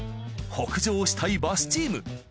北上したいバスチーム。